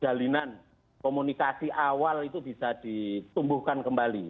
jalinan komunikasi awal itu bisa ditumbuhkan kembali